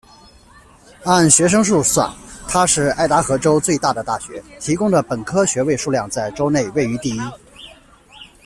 按学生数算，它是爱达荷州最大的大学，提供的本科学位数量在州内位于第一。